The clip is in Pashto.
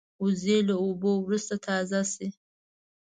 وزې له اوبو وروسته تازه شي